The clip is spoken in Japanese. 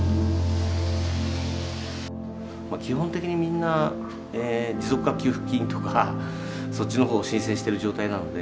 基本的にみんな持続化給付金とかそっちの方を申請してる状態なので。